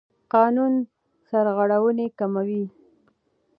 قانون سرغړونې کموي.